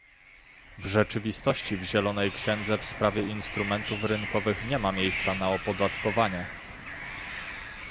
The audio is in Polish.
W rzeczywistości w zielonej księdze w sprawie instrumentów rynkowych nie ma miejsca na opodatkowanie